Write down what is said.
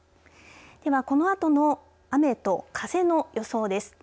では、このあとの雨と風の予想です。